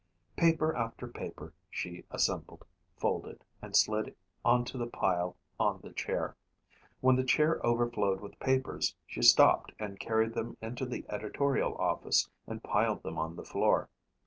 Paper after paper she assembled, folded and slid onto the pile on the chair. When the chair overflowed with papers she stopped and carried them into the editorial office and piled them on the floor.